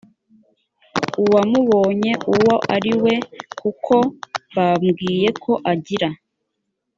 uwamubonye uwo ari we kuko bambwiye ko agira